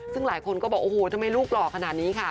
ซึ่งหลายคนก็บอกโอ้โหทำไมลูกหล่อขนาดนี้ค่ะ